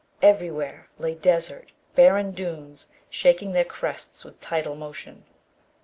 Everywhere lay desert, barren dunes shaking their crests with tidal motion.